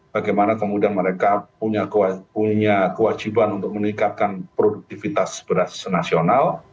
bagaimana kemudian mereka punya kewajiban untuk meningkatkan produktivitas beras nasional